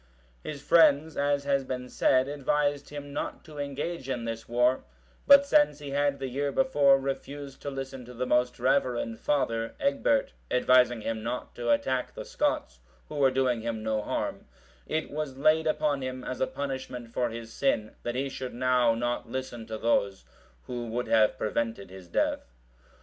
(724) His friends, as has been said, advised him not to engage in this war; but since he had the year before refused to listen to the most reverend father, Egbert,(725) advising him not to attack the Scots, who were doing him no harm, it was laid upon him as a punishment for his sin, that he should now not listen to those who would have prevented his death.